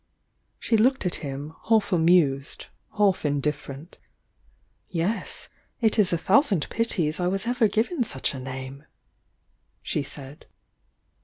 She looked at him, half amused, half indifferent. "Yes,— it is a thousand pities I was ever given such a name," she said.